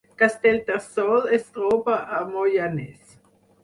Castellterçol es troba al Moianès